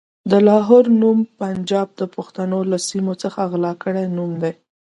د لاهور نوم پنجاب د پښتنو له سيمو څخه غلا کړی نوم دی.